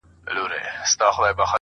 لکه لوبغاړی ضرورت کي په سر بال وهي~